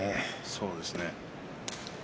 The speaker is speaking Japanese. そうですね。